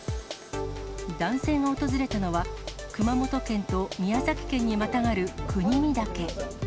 男性が訪れたのは、熊本県と宮崎県にまたがる国見岳。